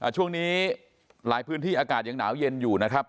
ช่วงนี้หลายพื้นที่อากาศยังหนาวเย็นอยู่นะครับ